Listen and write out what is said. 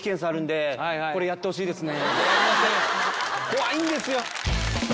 怖いんですよ。